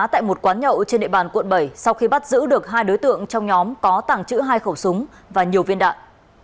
tại một quán nhậu trên địa bàn quận bảy sau khi bắt giữ được hai đối tượng trong nhóm có tặng chữ hai khẩu súng và nhiều viên đạn